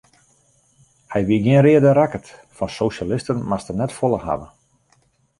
Hy wie gjin reade rakkert, fan sosjalisten moast er net folle hawwe.